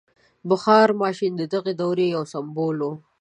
• بخار ماشین د دغې دورې یو سمبول و.